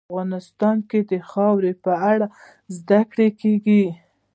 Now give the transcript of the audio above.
افغانستان کې د خاوره په اړه زده کړه کېږي.